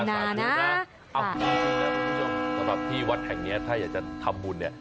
ดีนะคุณผู้ชมสำหรับที่วัดแห่งนี้ถ้าอยากจะทำบุญ